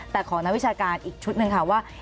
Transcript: แต่ของนักวิชาการอีกชุดหนึ่งค่ะว่า